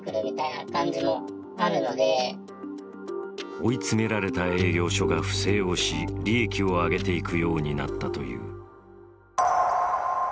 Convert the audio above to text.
追い詰められた営業所が不正をし利益を上げていくようになったという。